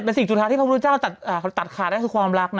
แต่สิ่งสุดท้ายที่พระพุทธเจ้าตัดขาดได้คือความรักนะ